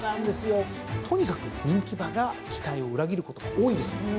とにかく人気馬が期待を裏切ることが多いんです。